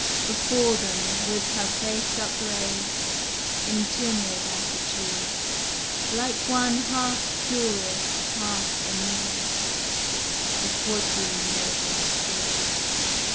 Before them, with her face upraised, In timid attitude, Like one half curious, half amazed, A Quadroon maiden stood.